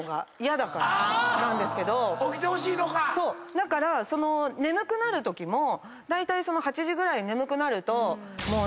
だから眠くなるときもだいたい８時ぐらいに眠くなると。